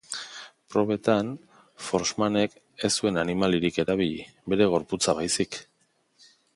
Probetan, Forssmanek ez zuen animaliarik erabili, bere gorputza baizik.